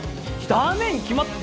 駄目に決まって。